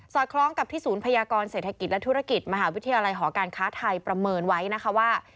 คล้องกับที่ศูนย์พยากรเศรษฐกิจและธุรกิจมหาวิทยาลัยหอการค้าไทยประเมินไว้นะคะว่า